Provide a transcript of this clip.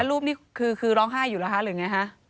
รูปนี้คือร้องไห้อยู่แล้วคะหรือไงฮะ